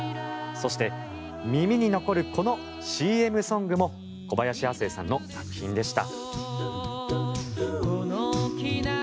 そして耳に残るこのＣＭソングも小林亜星さんの作品でした。